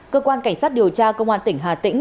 cơ quan cảnh sát điều tra công an tỉnh hà tĩnh